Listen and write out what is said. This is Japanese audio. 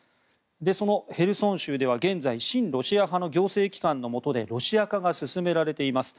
そのヘルソン州では現在親ロシア派の行政機関のもとでロシア化が進められています。